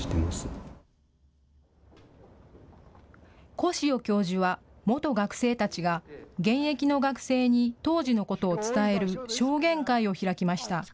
小塩教授は元学生たちが現役の学生に当時のことを伝える証言会を開きました。